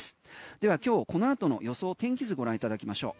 では今日この後の予想天気図ご覧いただきましょう。